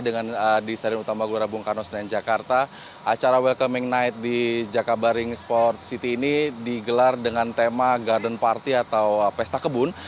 karena di stadion utama gelora bung karno senang jakarta acara welcoming night di jakabaring sports city ini digelar dengan tema garden party atau pesta kebun